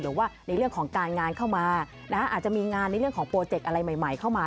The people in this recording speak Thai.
หรือว่าในเรื่องของการงานเข้ามาอาจจะมีงานในเรื่องของโปรเจกต์อะไรใหม่เข้ามา